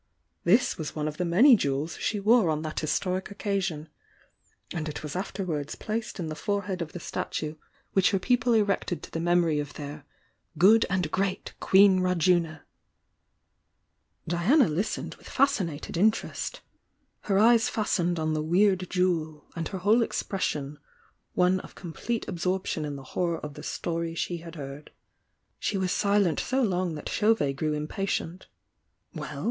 This was one of the many jewels slie wore on that historic occasion! — and it was afterwards placed in the forehead of the statue iL 220 THE YOUNG DIANA i i H i i i }■ 'i { i which her people erected to the memory of their 'good and great Queen Rajuna!' " Diana listened with fascinated interest — ^her eyes fastened on the weird jewel, and her whole expres sion one of complete absorption in the horror of the story she had heard. She was silent so long that Chauvet grew impatient. "Well!